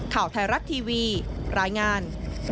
ข่าวไทยรัฐทีวีรายงาน